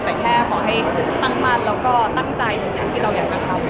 แต่แค่ตั้งมันและตั้งใจกับสิ่งที่เราอยากจะทำ